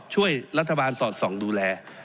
ช่วยรัฐบาลสอดส่องดูแล